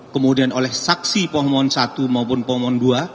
kemudian oleh saksi pohmon satu maupun pomon dua